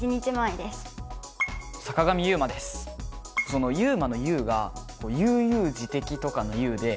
その「悠真」の「悠」が「悠々自適」とかの「悠」で。